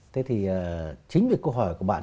thế thì chính vì câu hỏi của bạn